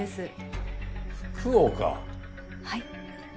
はい。